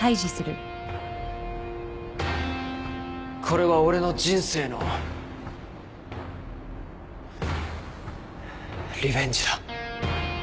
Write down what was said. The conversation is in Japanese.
これは俺の人生のリベンジだ。